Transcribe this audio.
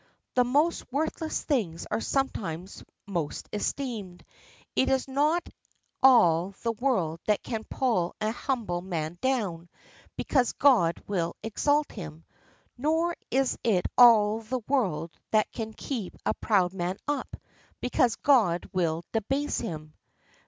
The most worthless things are sometimes most esteemed. It is not all the world that can pull an humble man down, because God will exalt him. Nor is it all the world that can keep a proud man up, because God will debase him.